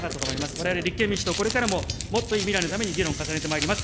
われわれ立憲民主党、もっといい未来のために議論を重ねてまいります。